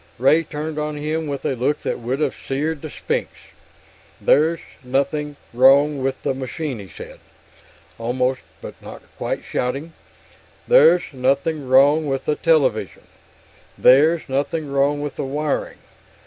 Ray turned on him with a look that would have seared the Sphinx. "There's nothing wrong with the machine!" he said, almost but not quite shouting. "There's nothing wrong with the television! There's nothing wrong with the wiring!